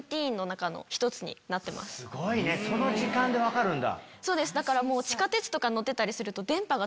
すごいねその時間で分かるんだ。